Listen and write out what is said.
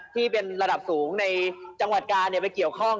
ที่เป็นระดับสูงในจังหวัดกาลไปเกี่ยวข้อง